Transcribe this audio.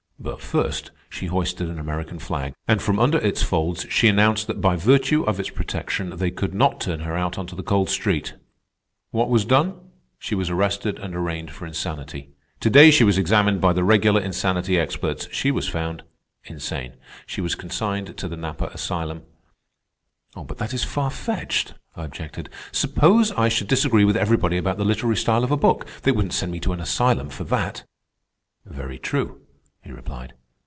But first, she hoisted an American flag, and from under its folds she announced that by virtue of its protection they could not turn her out on to the cold street. What was done? She was arrested and arraigned for insanity. To day she was examined by the regular insanity experts. She was found insane. She was consigned to the Napa Asylum." "But that is far fetched," I objected. "Suppose I should disagree with everybody about the literary style of a book. They wouldn't send me to an asylum for that." "Very true," he replied.